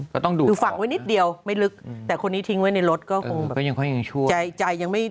อยู่ฝั่งไว้นิดเดียวไม่ลึกแต่คนนี้ทิ้งไว้ในรถก็คงแบบ